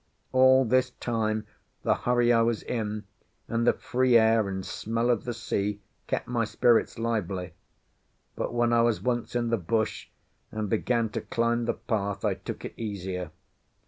All this time the hurry I was in, and the free air and smell of the sea, kept my spirits lively; but when I was once in the bush and began to climb the path I took it easier.